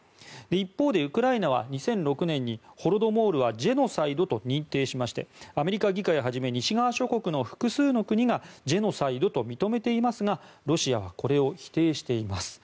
一方でウクライナは２００６年にホロドモールはジェノサイドと認定しましてアメリカ議会はじめ西側諸国の複数の国がジェノサイドと認めていますがロシアはこれを否定しています。